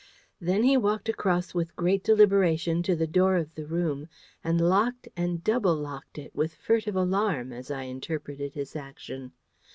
Then he walked across with great deliberation to the door of the room, and locked and double locked it with furtive alarm, as I interpreted his action.